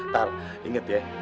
tar inget ya